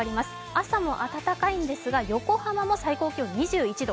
朝も暖かいんですが、横浜も最高気温２１度。